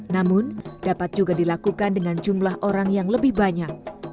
namun dapat juga dilakukan dengan jumlah orang yang lebih banyak